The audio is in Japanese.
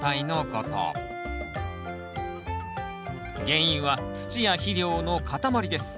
原因は土や肥料の塊です。